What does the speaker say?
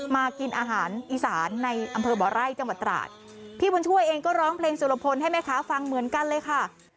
มากินอาหารอีสานในอำเภอบ่อไร่จังหวัดตราดพี่บุญช่วยเองก็ร้องเพลงสุรพลให้แม่ค้าฟังเหมือนกันเลยค่ะ